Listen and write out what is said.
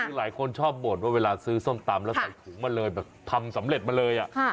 คือหลายคนชอบบ่นว่าเวลาซื้อส้มตำแล้วใส่ถุงมาเลยแบบทำสำเร็จมาเลย